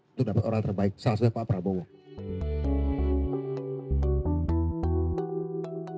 untuk dapat orang terbaik salah satunya pak prabowo